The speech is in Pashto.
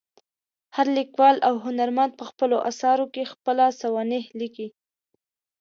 هر لیکوال او هنرمند په خپلو اثرو کې خپله سوانح لیکي.